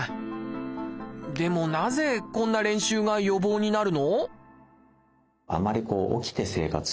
でもなぜこんな練習が予防になるの？